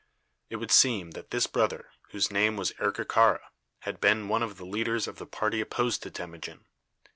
It would seem that this brother, whose name was Erkekara, had been one of the leaders of the party opposed to Temujin.